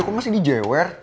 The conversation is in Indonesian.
kok masih di jewer